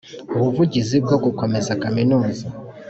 ubuvugizi bwo gukomeza Kaminuza